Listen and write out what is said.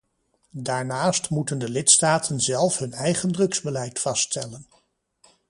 Daarnaast moeten de lidstaten zelf hun eigen drugsbeleid vaststellen.